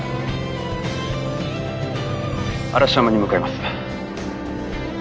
嵐山に向かいます。